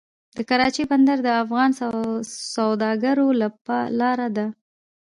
د کراچۍ بندر د افغان سوداګرو لاره ده